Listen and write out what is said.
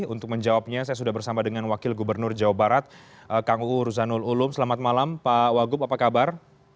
untuk menjawabnya saya sudah bersama dengan wakil gubernur jawa barat kang uu ruzanul ulum selamat malam pak wagub apa kabar